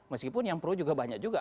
meskipun yang pro juga banyak juga